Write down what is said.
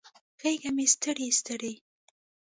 غیږه مې ستړي، ستړي